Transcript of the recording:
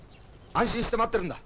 安心して待ってるんだ。